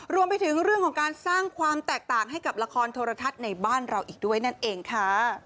รวมไปถึงเรื่องของการสร้างความแตกต่างให้กับละครโทรทัศน์ในบ้านเราอีกด้วยนั่นเองค่ะ